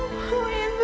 iya begitu anak pintar